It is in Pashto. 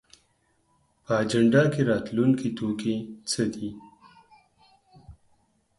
په اجنډا کې راتلونکی توکي څه دي؟